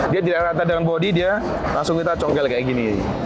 dia tidak rata dengan bodi dia langsung kita congkel kayak gini